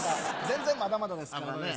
全然まだまだですからね。